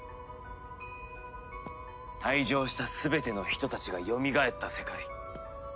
「退場した全ての人たちが蘇った世界」。